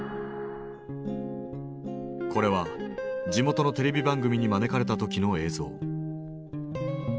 これは地元のテレビ番組に招かれた時の映像。